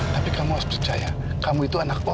tapi kamu harus percaya kamu itu anak om